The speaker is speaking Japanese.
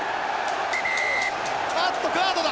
あっとカードだ。